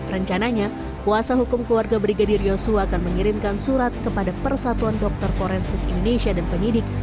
rencananya kuasa hukum keluarga brigadir yosua akan mengirimkan surat kepada persatuan dokter forensik indonesia dan penyidik